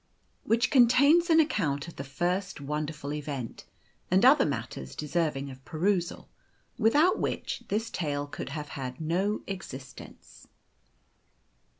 WHICH CONTAINS AN ACCOUNT OF THE FIRST WONDERFUL EVENT, AND OTHER MATTERS DESERVING OF PERUSAL, WITHOUT WHICH THIS TALE COULD HAVE HAD NO EXISTENCE.